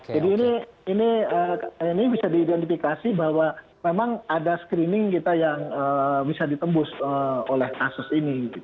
jadi ini bisa diidentifikasi bahwa memang ada screening kita yang bisa ditembus oleh kasus ini